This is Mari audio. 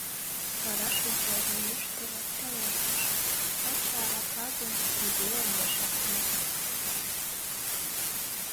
Вара шинчажым ӱштыльӧ, пелештыш: — Каче арака гын, йӱде огешак лий.